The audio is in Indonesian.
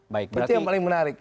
berarti yang paling menarik